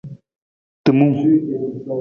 Timung.